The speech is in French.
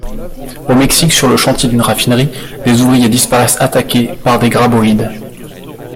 Au Mexique, sur le chantier d'une raffinerie, des ouvriers disparaissent attaqués par des graboïdes.